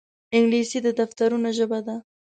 انګلیسي د دفترونو ژبه ده